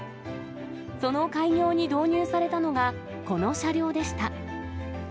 その開業に導入されたのが、この車両でした。